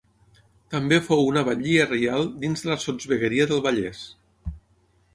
També fou una batllia reial dins de la Sotsvegueria del Vallès.